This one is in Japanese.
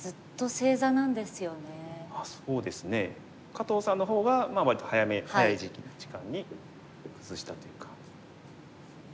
加藤さんの方は割と早め早い時間に崩したというか。